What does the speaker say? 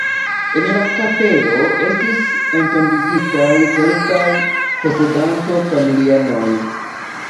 En la kapelo estis entombigitaj kelkaj posedanto-familianoj.